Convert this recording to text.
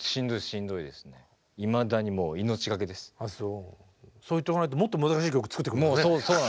しんどいですねそう言っとかないともっと難しい曲作ってくるもんね。